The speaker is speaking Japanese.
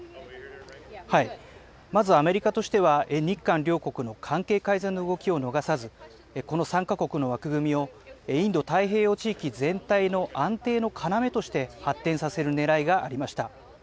まずアメリカとしては、日韓両国の関係改善の動きを逃さず、この３か国の枠組みをインド太平洋地域全体の安定の要として発展させるねらいがありました。